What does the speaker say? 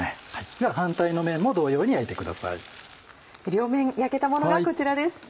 両面焼けたものがこちらです。